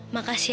makan sih lo